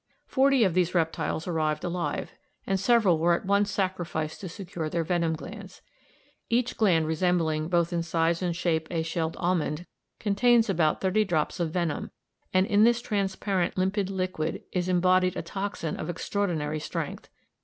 Forty of these reptiles arrived alive, and several were at once sacrificed to secure their venom glands. Each gland, resembling both in size and shape a shelled almond, contains about thirty drops of venom, and in this transparent limpid liquid is embodied a toxin of extraordinary strength.